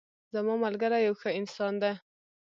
زما ملګری یو ښه انسان ده